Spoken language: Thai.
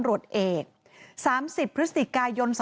ปี๖๕วันเช่นเดียวกัน